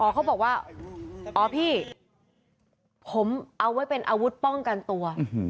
เขาบอกว่าอ๋อพี่ผมเอาไว้เป็นอาวุธป้องกันตัว